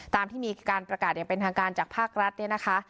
ตามที่มีการประกาศอย่างเป็นทางการจากภาครัฐเนี่ยนะคะ